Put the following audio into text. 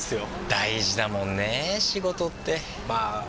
大事だもんね仕事って。